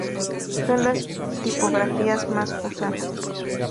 Son las tipografías más usadas.